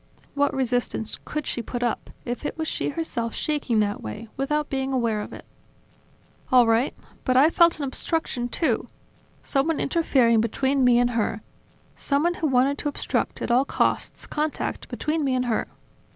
"What resistance could she put up, if it was she herself shaking that way, without being aware of it?" "All right ... But I felt an obstruction too, someone interfering between me and her, someone who wanted to obstruct, at all costs, contact between me and her